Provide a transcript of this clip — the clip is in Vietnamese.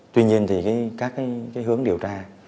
tuy nhiên thì các cái hướng điều tra